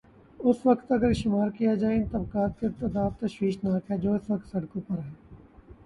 اس وقت اگر شمارکیا جائے، ان طبقات کی تعداد تشویش ناک ہے جو اس وقت سڑکوں پر ہیں۔